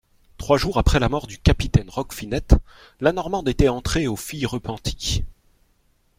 Trois jours après la mort du capitaine Roquefinette, la Normande était entrée aux Filles-Repenties.